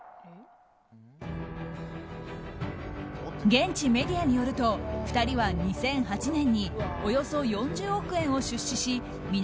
現地メディアによると２人は２００８年におよそ４０億円を出資し南